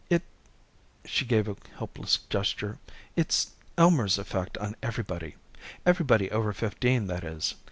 It " she gave a helpless gesture "it's Elmer's effect on everybody. Everybody over fifteen, that is.